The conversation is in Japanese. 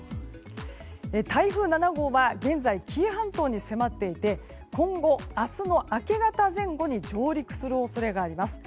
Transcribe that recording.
台風７号は現在、紀伊半島に迫っていて今後、明日の明け方前後に上陸する恐れがあります。